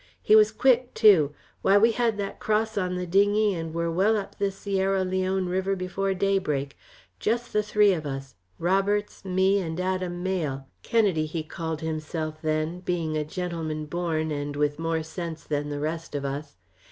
He was quick, too. Why, we had that cross on the dinghy and were well up the Sierra Leone River before daybreak, just the three of us Roberts, me, and Adam Mayle Kennedy he called himself then, being a gentleman born and with more sense than the rest of us.